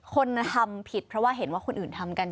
คนทำผิดเพราะว่าเห็นว่าคนอื่นทำกัน